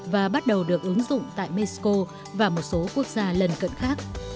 và bắt đầu được ứng dụng tại mexico và một số quốc gia lần cận khác